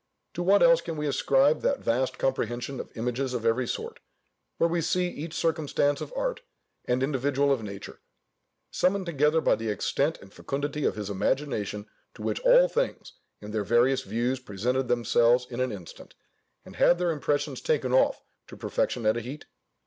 To what else can we ascribe that vast comprehension of images of every sort, where we see each circumstance of art, and individual of nature, summoned together by the extent and fecundity of his imagination to which all things, in their various views presented themselves in an instant, and had their impressions taken off to perfection at a heat?